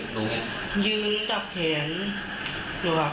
พอเดินลงมาจากภูมิเห็นคนเลยไหมเห็นคนที่ยิงเลยไหมลูก